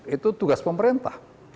itu tugas pemerintah